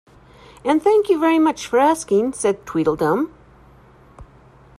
And thank you very much for asking,’ said Tweedledum.